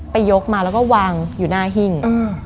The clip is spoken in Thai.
ยกมาแล้วก็วางอยู่หน้าหิ้ง